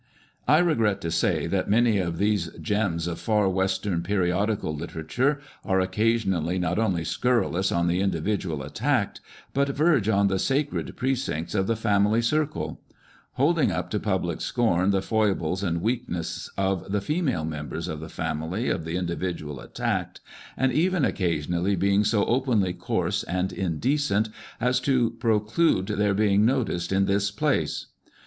I regret to say that many of these gems of far western periodical literature are occasionally not only scurrilous on the individual attacked, but verge on the sacred precincts of the family circle : holding up to public scorn the foibles and weakness of the female members of the family of the individual attacked, and even occa sionally being so openly coarse and indecent as to preclude their being noticed in this place.